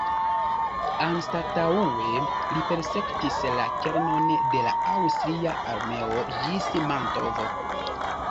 Anstataŭe li persekutis la kernon de la Aŭstria armeo ĝis Mantovo.